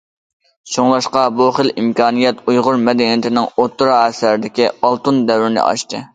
شۇڭلاشقا، بۇ خىل ئىمكانىيەت ئۇيغۇر مەدەنىيىتىنىڭ ئوتتۇرا ئەسىردىكى ئالتۇن دەۋرىنى ئاچتى.